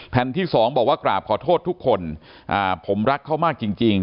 แผ่นที่๒บอกว่ากราบขอโทษทุกคนผมรักเขามากจริง